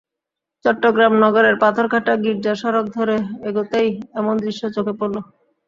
চট্টগ্রাম নগরের পাথরঘাটা গির্জা সড়ক ধরে এগোতেই এমন দৃশ্য চোখে পড়ল।